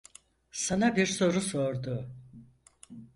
Sana bir soru sordu.